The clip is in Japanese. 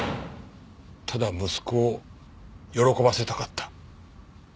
ただ息子を喜ばせたかった。